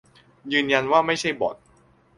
ยืนยันว่าไม่ใช่บ็อต